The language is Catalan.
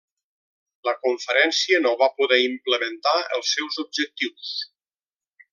La conferència no va poder implementar els seus objectius.